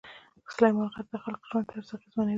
سلیمان غر د خلکو ژوند طرز اغېزمنوي.